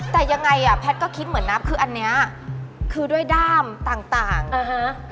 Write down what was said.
แต่ยังไงอ่ะแพทย์ก็คิดเหมือนนับคืออันเนี้ยคือด้วยด้ามต่างต่างอ่าฮะ